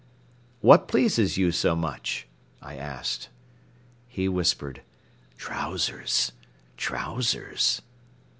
"What pleases you so much?" I asked. He whispered: "Trousers ... Trousers."